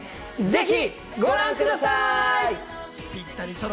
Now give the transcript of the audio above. ぜひご覧ください。